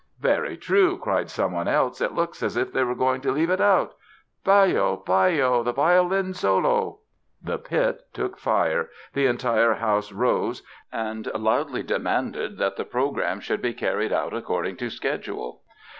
"Very true", cried someone else, "it looks as if they were going to leave it out. Baillot, Baillot, the violin solo." The pit took fire, the entire house rose and loudly demanded that the program should be carried out according to schedule.